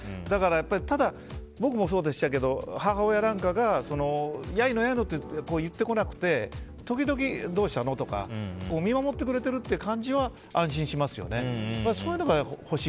ただ、僕もそうでしたけど母親なんかがやいのやいのって言ってこなくて時々、どうしたの？とか見守ってくれているという感じは安心しますよね。